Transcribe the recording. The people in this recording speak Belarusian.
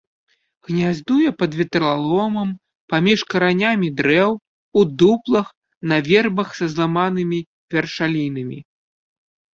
Гняздуе пад ветраломам, паміж каранямі дрэў, у дуплах, на вербах са зламанымі вяршалінамі.